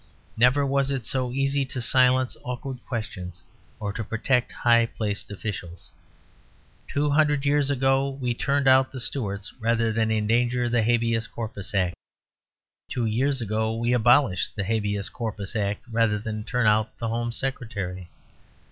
Never was it so easy to silence awkward questions, or to protect high placed officials. Two hundred years ago we turned out the Stuarts rather than endanger the Habeas Corpus Act. Two years ago we abolished the Habeas Corpus Act rather than turn out the Home Secretary.